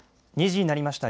２時になりました。